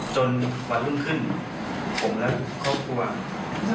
จนหวานลุมขึ้นผมแล้วครอบครัว